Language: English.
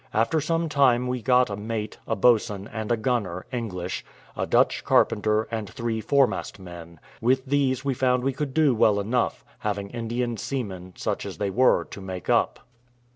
After some time we got a mate, a boatswain, and a gunner, English; a Dutch carpenter, and three foremast men. With these we found we could do well enough, having Indian seamen, such as they were, to make up.